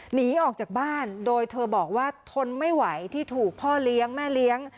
หนีออกจากบ้านโดยเธอบอกว่าทนไม่ไหวที่ถูกพ่อเลี้ยงแม่เลี้ยง